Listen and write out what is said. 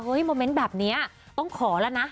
โมเมนต์แบบนี้ต้องขอแล้วนะ